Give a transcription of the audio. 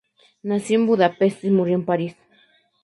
Nació en Budapest y murió en París.